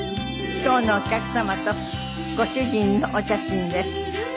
今日のお客様とご主人のお写真です。